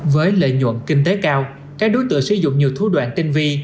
với lợi nhuận kinh tế cao các đối tượng sử dụng nhiều thú đoạn tinh vi